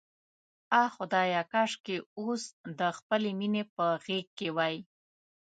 آه خدایه، کاشکې اوس د خپلې مینې په غېږ کې وای.